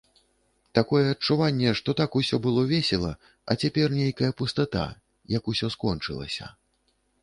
Такое адчуванне, што так усё было весела, а цяпер нейкая пустата, як усё скончылася.